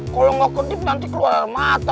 kalau gak kedip nanti keluar mata